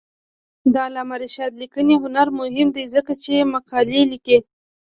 د علامه رشاد لیکنی هنر مهم دی ځکه چې مقالې لیکي.